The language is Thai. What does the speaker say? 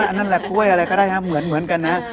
อันนั้นแหละก้วยอะไรก็ได้เหมือนกันนะฮะ